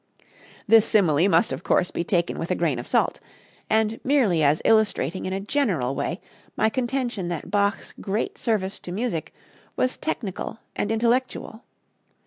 This simile must, of course, be taken with a grain of salt, and merely as illustrating in a general way my contention that Bach's great service to music was technical and intellectual.